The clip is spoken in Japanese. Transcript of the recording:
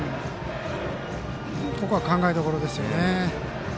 ここは考えどころですよね。